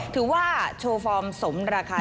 ถือว่าโชว์ฟอร์มสมราคา